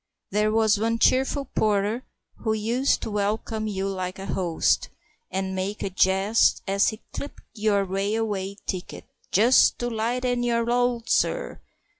There was one cheerful porter who used to welcome you like a host, and make a jest as he clipped your railway ticket "Just to lighten your load, sir!"